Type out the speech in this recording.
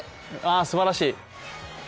すばらしい！